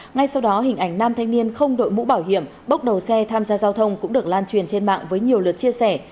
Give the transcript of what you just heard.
ngay sau đó hình ảnh nam thanh niên không đội mũ bảo hiểm bốc đầu xe tham gia giao thông cũng được lan truyền trên mạng với nhiều lượt chia sẻ